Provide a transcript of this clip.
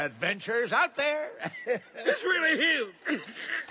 ハハハ！